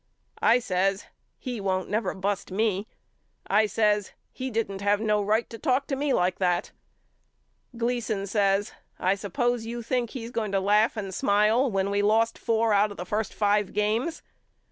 I says He won't never bust me. I says He didn't have no right to talk like that to me. Glea son says I suppose you think he's going to laugh and smile when we lost four out of the first five games.